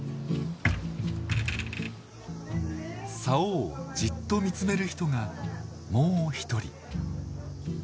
竿をじっと見つめる人がもう一人。